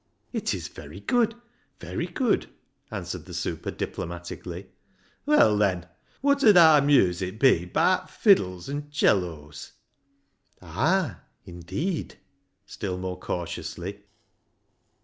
" It is very good ; very good," answered the super diplomatically. " Well, then, wot 'ud aar music be baat fiddles an' 'cellos ?"" Ah ! indeed !" still more cautiously.